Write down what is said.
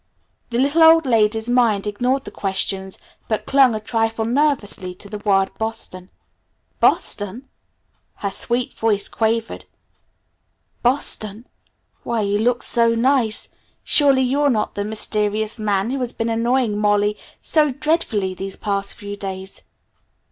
The little old lady's mind ignored the questions but clung a trifle nervously to the word Boston. "Boston?" her sweet voice quavered. "Boston? Why you look so nice surely you're not that mysterious man who has been annoying Mollie so dreadfully these past few days.